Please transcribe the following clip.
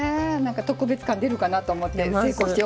特別感出るかなと思って成功してよかったです。